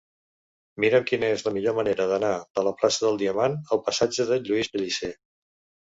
Mira'm quina és la millor manera d'anar de la plaça del Diamant al passatge de Lluís Pellicer.